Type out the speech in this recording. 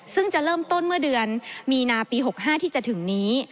ซึ่งจะเริ่มต้นเมื่อเดือนมีนาปี๖๕ที่จะถึงนี้